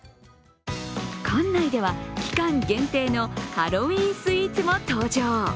館内では期間限定のハロウィーンスイーツも登場。